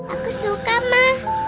aku suka ma